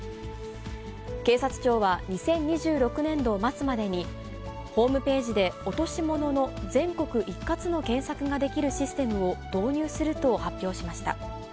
警察庁は２０２６年度末までに、ホームページで落し物の全国一括の検索ができるシステムを導入すると発表しました。